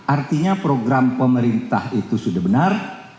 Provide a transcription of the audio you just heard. artinya program pemerintah itu sudah benar